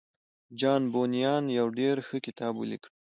جان بونيان يو ډېر ښه کتاب وليکه.